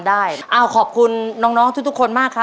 เยี่ยม